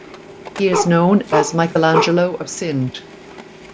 He is known as Michelangelo of Sindh.